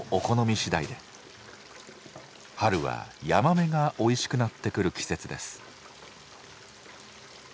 春はヤマメがおいしくなってくる季節です。